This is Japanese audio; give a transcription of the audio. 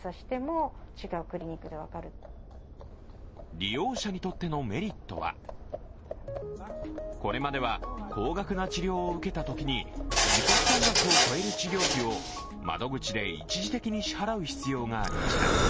利用者にとってのメリットはこれまでは高額な治療を受けたときに事故負担額を超える治療費を窓口で一時的に支払う必要がありました。